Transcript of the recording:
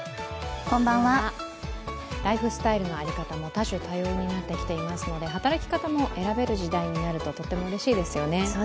ライフスタイルの在り方も多種多様になってきていますので、働き方も選べる時代になるととてもうれしいですね。